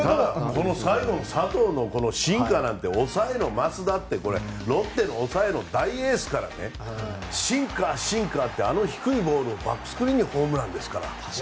最後の佐藤のシンカーなんて抑えの松田なんてロッテの抑えの大エースからシンカー、シンカーであの低いボールをバックスクリーンにホームランですから。